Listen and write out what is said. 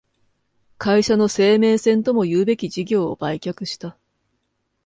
会社の生命線ともいうべき事業を売却した